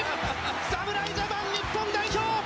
侍ジャパン日本代表